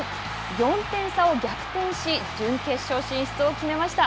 ４点差を逆転し、準決勝進出を決めました。